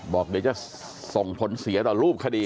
บอกเดี๋ยวจะส่งผลเสียต่อรูปคดี